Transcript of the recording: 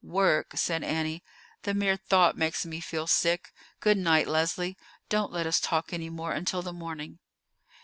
"Work!" said Annie. "The mere thought makes me feel sick. Good night, Leslie. Don't let us talk any more until the morning."